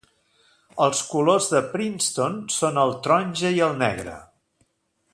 Els colors de Princeton són el taronja i el negre.